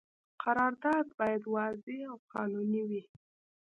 قرارداد باید واضح او قانوني وي.